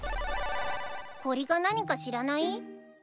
こりが何か知らない？